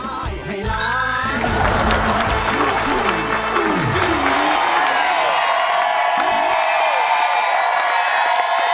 ให้ร้าง